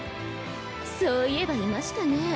そういえばいましたね。